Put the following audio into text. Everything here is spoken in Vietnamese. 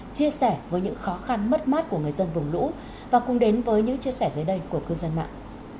chia sẻ với những khó khăn mất mát của người dân vùng lũ và cùng đến với những chia sẻ dưới đây của cư dân mạng